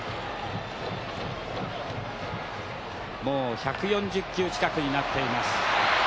もう１４０球近くになっています。